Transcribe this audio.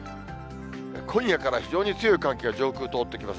今夜から非常に強い寒気が上空通ってきます。